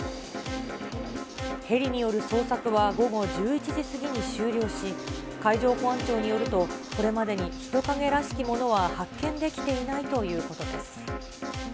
ヘリによる捜索は午後１１時過ぎに終了し、海上保安庁によると、これまでに人影らしきものは発見できていないということです。